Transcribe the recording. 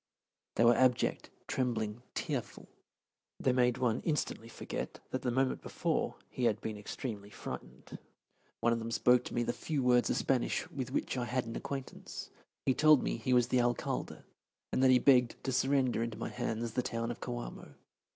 They were abject, trembling, tearful. They made one instantly forget that the moment before he had been extremely frightened. One of them spoke to me the few words of Spanish with which I had an acquaintance. He told me he was the Alcalde, and that he begged to surrender into my hands the town of Coamo.